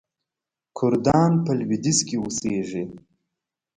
کردان په لویدیځ کې اوسیږي.